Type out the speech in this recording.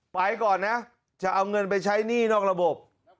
ไปก่อนนะจะเอาเงินไปใช้หนี้นอกระบบ